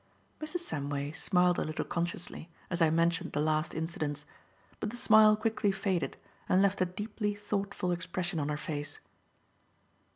Mrs. Samway smiled a little consciously as I mentioned the last incidents, but the smile quickly faded and left a deeply thoughtful expression on her face.